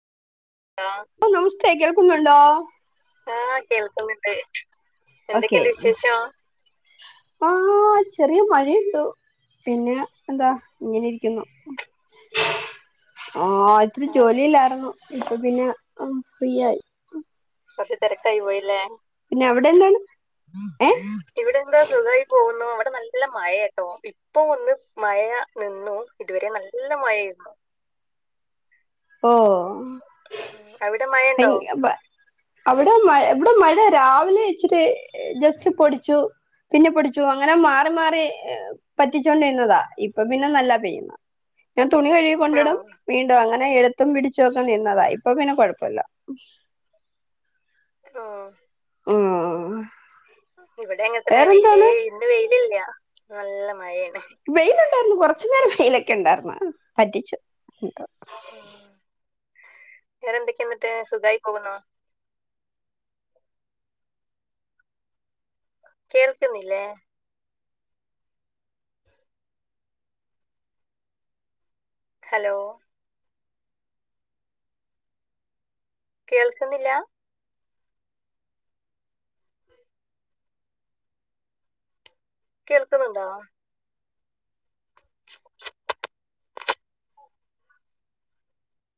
ചാആ ഓ നമസ്തേ കേൾക്കുന്നുണ്ടോ ആഹ് കേൾക്കുന്നുണ്ട് ഓക്കെ എന്തൊക്കെയുണ്ട് വിശേഷം ആഹാാാാ ചെറിയ മഴയുണ്ട് പിന്നെ എന്താ ഇങ്ങനെ ഇരിക്കുന്നു ആഹ് ഇത്തിരി ആ ജോലിയിലായിരുന്നു ഇപ്പ പിന്നെ ഫ്രീയായി കുറച്ചു തെരക്കായി പോയില്ലേ പിന്നെ എവിട്ന്നാണ് ഏഹ് ഇവിടെന്താ സുഖായി പോകുന്നു ഇവിടെ നല്ല മഴേട്ടോ ഇപ്പൊന്ന് മഴ നിന്നു ഇതുവരെ നല്ല മഴായിരുന്നു ഓ ഉം. അവിടെ മഴയുണ്ടോ അവിടെ മഴ ഇവിടെ മഴ രാവിലെ ഇച്ചിരി ജസ്റ്റ് പൊടിച്ചു പിന്നെ പൊടിച്ചു അങ്ങനെ മാറി മാറി പറ്റിച്ചോണ്ടിരന്നതാ ഇപ്പൊ പിന്നെ നല്ലം പെയ്തു ഞാൻ തുണി കഴുകി ആ കൊണ്ടിടും ആ വീണ്ടും അങ്ങനെ ഏഴ് ത്തം പിടിച്ചോക്കെനിന്നതാ ഇപ്പൊ പിന്നെ കൊഴപില ആഹ് മ്മ് ഇവിടെ അങ്ങൻതന്നെ വെയിലേ ഇന്ന് വെയിലില്ല നല്ല മഴയാണ് വെയിലുണ്ടായിരുന്നു കൊറ ച്ച് നേരം വെയിലൊക്കെ ണ്ടാ യിരുന്നു പറ്റിച്ചു വേറൊന്തേക്കെന്നട്ട് സുഖായി പോകുന്നു കേൾക്ക്ന്നില്ലേ ഹലോ കേൾക്കുന്നില്ലാ കേൾക്കുന്നുണ്ടോ